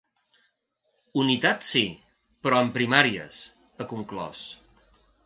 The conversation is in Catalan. Unitat sí, però amb primàries, ha conclòs.